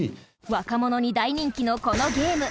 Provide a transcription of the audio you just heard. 若者に大人気の、このゲーム。